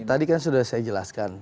jadi tadi kan sudah saya jelaskan